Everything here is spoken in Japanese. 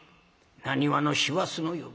なにわの師走の夜。